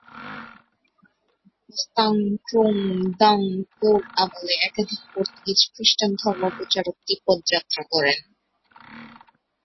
ব্স্তান-স্ক্যোং-দ্বাং-পোর আমলে একাধিক পর্তুগীজ খ্রিষ্টান ধর্মপ্রচারক তিব্বত যাত্রা করেন।